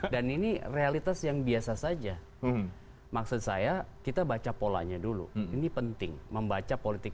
dan ini realitas yang biasa saja maksud saya kita baca polanya dulu ini penting membaca politik